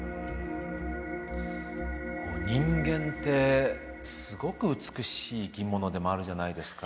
人間ってすごく美しい生き物でもあるじゃないですか。